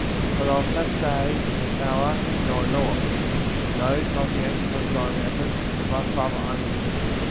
But of that day, and hour, no one knoweth; no, not the angels of God in heaven, but my Father only.